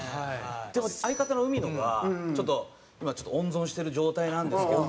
でも相方の海野がちょっと今温存してる状態なんですけど。